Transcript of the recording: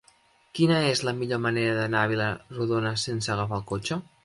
Quina és la millor manera d'anar a Vila-rodona sense agafar el cotxe?